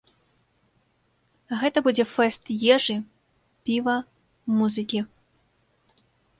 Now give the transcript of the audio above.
Гэта будзе фэст ежы, піва, музыкі.